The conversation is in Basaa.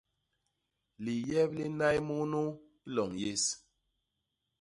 Liyep li nnay munu loñ yés.